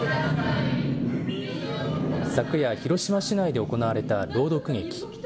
昨夜、広島市内で行われた朗読劇。